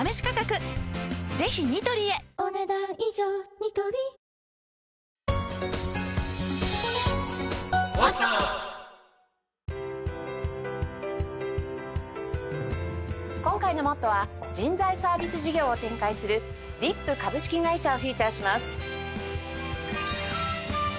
ニトリ今回の『ＭＯＴＴＯ！！』は人材サービス事業を展開するディップ株式会社をフィーチャーします。